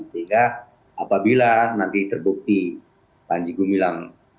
sehingga apabila nanti terbukti panji gumilang